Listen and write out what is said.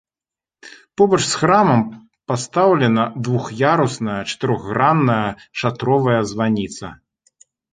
Побач з храмам пастаўлена двух'ярусная чатырохгранная шатровая званіца.